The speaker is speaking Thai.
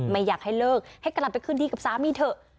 ไม่อยากให้เลิกให้กลับไปคืนดีกับสามีเถอะ